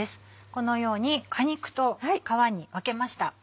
このように果肉と皮に分けました。